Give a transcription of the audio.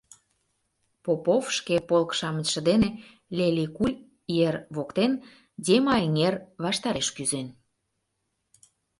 Попов шке полк-шамычше дене Лели-Куль ер воктен Дема эҥер ваштареш кӱзен.